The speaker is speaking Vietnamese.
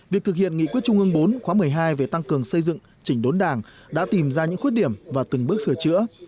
việc thực hiện nghị quyết trung ương bốn khóa một mươi hai về tăng cường xây dựng chỉnh đốn đảng đã tìm ra những khuyết điểm và từng bước sửa chữa